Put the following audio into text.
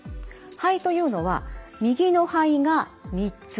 肺というのは右の肺が３つ。